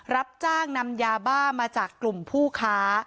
รับจ้างนำยาบ้ามาจากกลุ่มผู้ค้า